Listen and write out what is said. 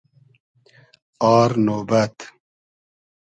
آر نۉبئد